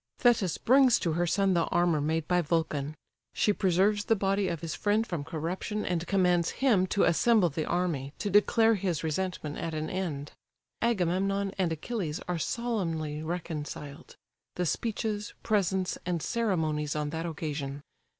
Thetis brings to her son the armour made by Vulcan. She preserves the body of his friend from corruption, and commands him to assemble the army, to declare his resentment at an end. Agamemnon and Achilles are solemnly reconciled: the speeches, presents, and ceremonies on that occasion.